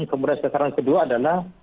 kemudian sasaran kedua adalah